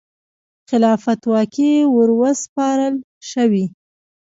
خلافت واګې وروسپارل شوې.